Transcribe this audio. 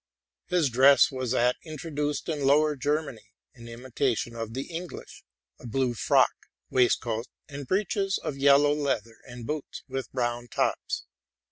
His dress was that intro duced in Lower Germany in imitation of the English, —a blue frock, waistcoat and breeches of yellow leather, and hoots with brown tops.